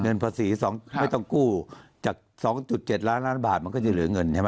ภาษีไม่ต้องกู้จาก๒๗ล้านล้านบาทมันก็จะเหลือเงินใช่ไหม